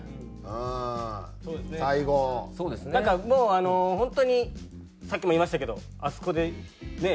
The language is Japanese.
なんかもう本当にさっきも言いましたけどあそこでね